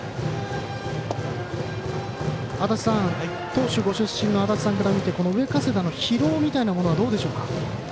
投手ご出身の足達さんから見て上加世田の疲労みたいなものはどうでしょうか？